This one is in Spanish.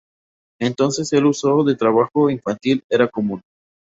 Entonces el uso de trabajo infantil era común.